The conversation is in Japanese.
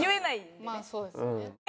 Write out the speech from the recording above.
まあそうですよね。